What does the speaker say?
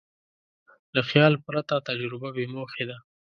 له خیال پرته تجربه بېموخې ده.